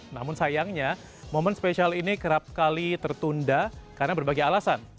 namun sayangnya momen spesial ini kerap kali tertunda karena berbagai alasan